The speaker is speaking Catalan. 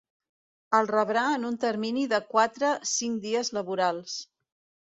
El rebrà en un termini de quatre-cinc dies laborals.